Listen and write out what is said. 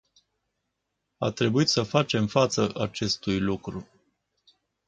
A trebuit să facem față acestui lucru.